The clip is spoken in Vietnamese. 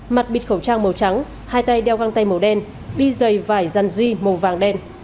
mặt bịt khẩu trang màu trắng hai tay đeo găng tay màu đen đi dày vải dằn di màu vàng đen